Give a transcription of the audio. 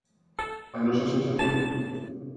¿A nosa sensación?